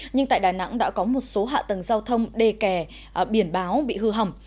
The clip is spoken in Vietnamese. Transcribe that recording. nhưng tại đà nẵng đã có một số hạ tầng giao thông đề kè biển báo bị hư hầm